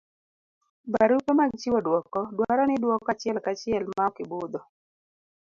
barupe mag chiwo duoko dwaro ni iduoko achiel ka chiel ma ok ibudho